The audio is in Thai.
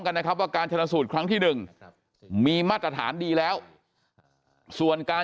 กันนะครับว่าการชนะสูตรครั้งที่หนึ่งมีมาตรฐานดีแล้วส่วนการ